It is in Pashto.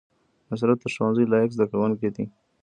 نصرت د ښوونځي لایق زده کوونکی دی